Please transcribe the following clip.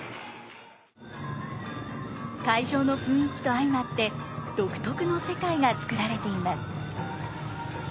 会場の雰囲気と相まって独特の世界がつくられています。